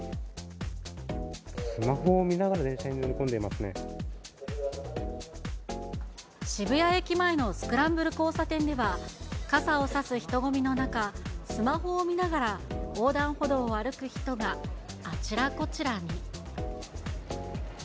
スマホを見ながら、渋谷駅前のスクランブル交差点では、傘を差す人混みの中、スマホを見ながら横断歩道を歩く人があちらこちらに。